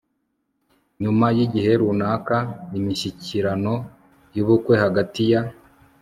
nyuma yigihe runaka, imishyikirano yubukwe hagati ya